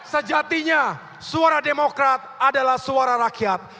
sejatinya suara demokrat adalah suara rakyat